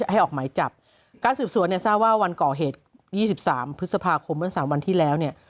ให้ออกหมายจับการสืบสวนเนี่ยซ่าว่าวันก่อเหตุ๒๓พฤษภาคม๓วันที่แล้วเนี่ย